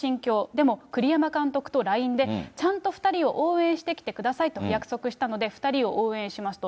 でも栗山監督とＬＩＮＥで、ちゃんと２人を応援してきてくださいと約束したので、２人を応援しますと。